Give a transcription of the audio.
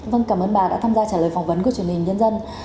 vâng cảm ơn bà đã tham gia trả lời phỏng vấn của truyền hình nhân dân